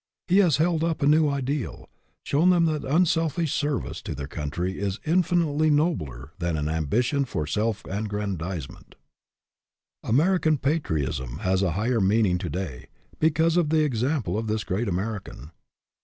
He has held up a new ideal, shown them that unselfish service to their country is infinitely nobler than an ambition for self aggrandizement. American patriotism has a higher meaning to day, because of the exam ple of this great American.